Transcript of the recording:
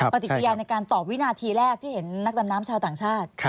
ปฏิกิริยาในการตอบวินาทีแรกที่เห็นนักดำน้ำชาวต่างชาติ